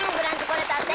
来れたって